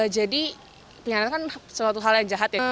jadi penyianatan kan suatu hal yang jahat ya